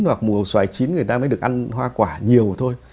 hoặc mùa xoài chín người ta mới được ăn hoa quả nhiều thôi